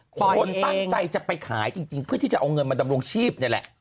คนตั้งใจจะไปขายจริงเพื่อที่จะเอาเงินมาดำรงชีพนี่แหละ